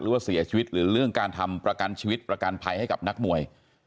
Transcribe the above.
หรือว่าเสียชีวิตหรือเรื่องการทำประกันชีวิตประกันภัยให้กับนักมวย